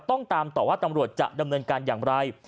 ต้องตามต่อว่าตำรวจจะดำเนินการอย่างไร